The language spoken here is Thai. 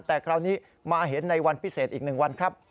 แต่คราวนี้มาเห็นในวันพิเศษอีก๑วันครับ